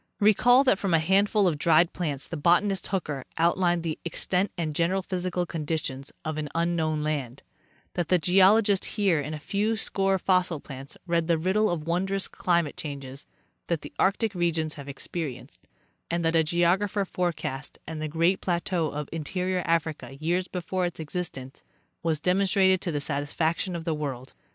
Recall that from a handful of dried plants the botanist Hooker outlined the extent and general physical conditions of an un known land; that the geologist Heer in a few score fossil plants read the riddle of wondrous climatic changes that the arctic re gions have experienced, and that a geographer forecast the great plateau of interior Africa years before its existence was demon strated to the satisfaction of the world.